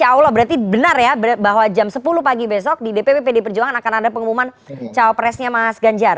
insya allah berarti benar ya bahwa jam sepuluh pagi besok di dpp pd perjuangan akan ada pengumuman cawapresnya mas ganjar